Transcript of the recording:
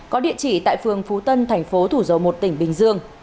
có địa chỉ tại phường phú tân thành phố thủ dầu một tỉnh bình dương